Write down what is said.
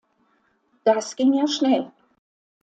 Das ging ja schnell!